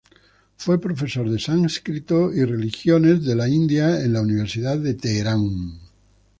Fue profesor de sánscrito y religiones de la India en la Universidad de Teherán.